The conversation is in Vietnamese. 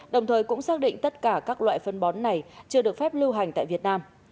đồng thời cũng xác định tất cả các loại phân bón này chưa được phép lưu hành tại việt nam